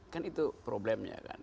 kan itu problemnya kan